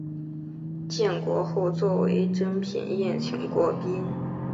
建国后作为珍品宴请国宾。